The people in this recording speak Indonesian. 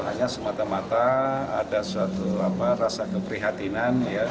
hanya semata mata ada suatu rasa keprihatinan ya